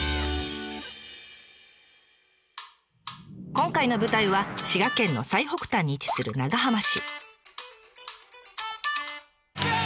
今回の舞台は滋賀県の最北端に位置する長浜市。